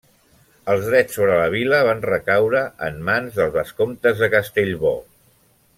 Els drets sobre la vila van recaure en mans dels vescomtes de Castellbò.